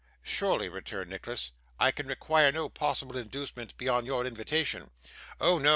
'Surely,' returned Nicholas, 'I can require no possible inducement beyond your invitation.' 'Oh no!